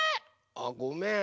あごめん。